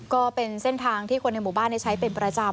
ก็เป็นเส้นทางที่คนในหมู่บ้านใช้เป็นประจำ